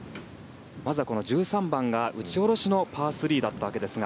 まずはこの１３番が打ち下ろしのパー３だったわけですが。